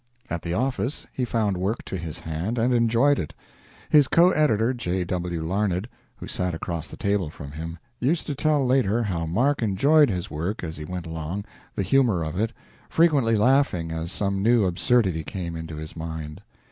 At the office he found work to his hand, and enjoyed it. His co editor, J. W. Larned, who sat across the table from him, used to tell later how Mark enjoyed his work as he went along the humor of it frequently laughing as some new absurdity came into his mind.